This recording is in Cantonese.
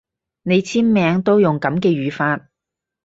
你簽名都用噉嘅語法